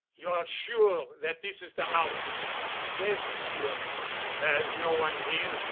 "You are sure that this is the house?" "Yes, Monsieur." "There is no one here.